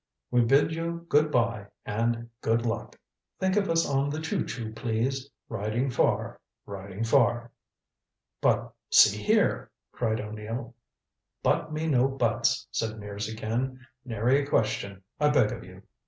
"We bid you good by and good luck. Think of us on the choo choo, please. Riding far riding far." "But see here " cried O'Neill. "But me no buts," said Mears again. "Nary a question, I beg of you.